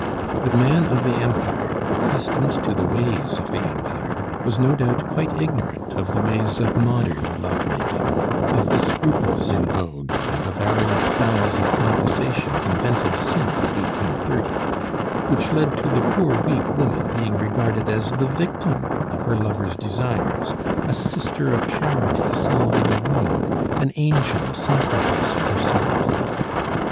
The man of the Empire, accustomed to the ways to the Empire, was no doubt quite ignorant of the ways of modern love making, of the scruples in vogue and the various styles of conversation invented since 1830, which led to the poor weak woman being regarded as the victim of her lover's desires a Sister of Charity salving a wound, an angel sacrificing herself.